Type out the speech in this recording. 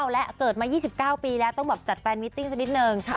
แล้วเกิดมา๒๙ปีแล้วต้องแบบจัดแฟนมิตติ้งสักนิดนึง